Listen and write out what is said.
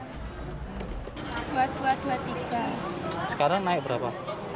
dua ribu dua ratus dua puluh tiga sekarang naik berapa